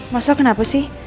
masa kenapa sih